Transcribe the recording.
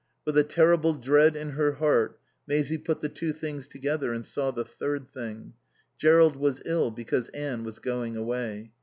With a terrible dread in her heart Maisie put the two things together and saw the third thing. Jerrold was ill because Anne was going away.